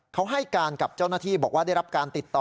เขาให้การกับเจ้าหน้าที่บอกว่าได้รับการติดต่อ